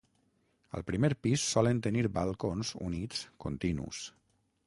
Al primer pis solen tenir balcons units continus.